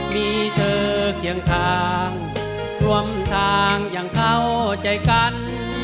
มีเธอเคียงทางรวมทางอย่างเข้าใจกัน